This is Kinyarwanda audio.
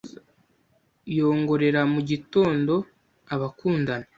yongorera mu gitondo Abakundana